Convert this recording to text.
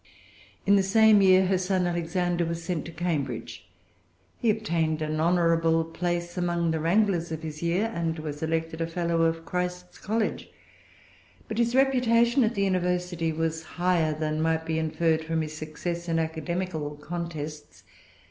In the same year her son Alexander was sent to Cambridge. He obtained an honorable place among the wranglers of his year, and was elected a fellow of Christ's College. But his reputation at the University was higher than might be inferred from his success in academical contests.